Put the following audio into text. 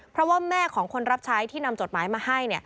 เพราะว่าแม่ของคนรับใช้ที่นำจดหมายมาให้